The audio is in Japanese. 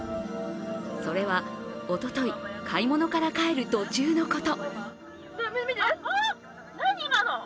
それはおととい買い物から帰る途中のこと。